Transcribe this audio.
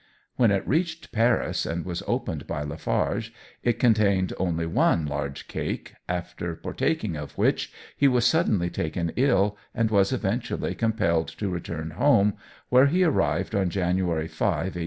When it reached Paris and was opened by Lafarge, it contained only one large cake, after partaking of which he was suddenly taken ill, and was eventually compelled to return home, where he arrived on January 5, 1840.